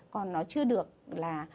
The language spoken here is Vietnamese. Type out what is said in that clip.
còn nó chưa được là